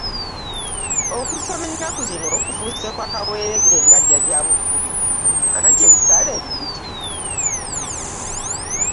Okusoma ennaku zino kufuuse kwa kaweereege nga ddya lya bukulu anti ebisale biyitirivu!